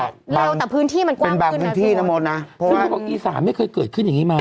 แต่เราแต่พื้นที่มันกว้างขึ้นนะสุดเป็นบางพื้นที่นะโมดนะเพราะว่าอีสาไม่เคยเกิดขึ้นอย่างนี้มา